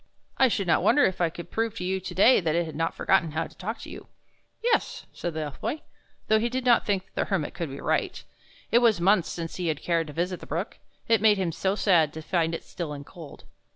" I should not wonder if I could prove to you to day that it has not forgotten how to talk to you." "Yes," said the Elf Boy, though he did not think the Hermit could be right. It was months since he had cared to visit the brook, it made him so sad to find it still and cold.